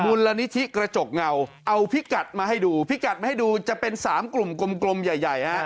มูลนิธิกระจกเงาเอาพิกัดมาให้ดูพิกัดมาให้ดูจะเป็น๓กลุ่มกลมใหญ่ใหญ่ฮะ